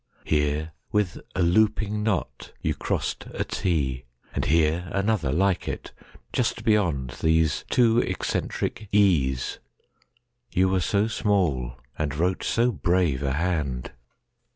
Here with a looping knot you crossed a "t,"And here another like it, just beyondThese two eccentric "e's." You were so small, And wrote so brave a hand!